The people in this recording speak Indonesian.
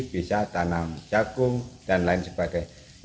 bisa tanam jagung dan lain sebagainya